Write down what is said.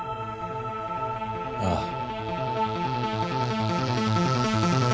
ああ。